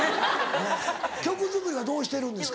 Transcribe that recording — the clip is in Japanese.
曲作りはどうしてるんですか？